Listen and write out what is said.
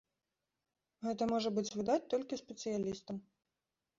Гэта можа быць відаць толькі спецыялістам.